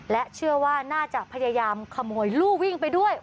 และเชื่อว่าน่าจะพยายามขโมยลูกวิ่งไปด้วย